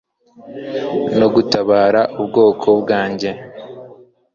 no gutabara ubwoko bwanjye